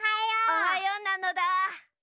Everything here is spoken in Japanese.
おはようなのだ。